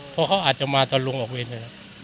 เพราะเขาอาจจะมาตอนลุงออกเวนเลย